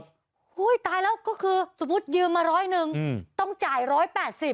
หุ้ยตายแล้วก็คือสมมุติยืมมา๑๐๐นึงต้องจ่าย๑๘๐บาท